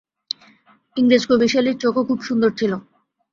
ইংরেজ কবি শেলির চোখও খুব সুন্দর ছিল।